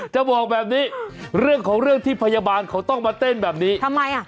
จะบอกแบบนี้เรื่องของเรื่องที่พยาบาลเขาต้องมาเต้นแบบนี้ทำไมอ่ะ